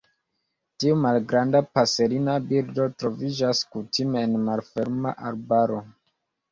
Tiu malgranda paserina birdo troviĝas kutime en malferma arbaro.